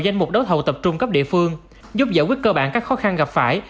các cơ sở y tế đấu thầu tập trung cấp địa phương giúp giải quyết cơ bản các khó khăn gặp phải